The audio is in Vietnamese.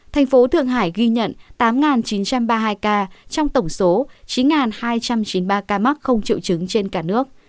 thành phố thượng hải ghi nhận tám chín trăm ba mươi hai ca trong tổng số chín hai trăm chín mươi ba ca mắc không triệu chứng trên cả nước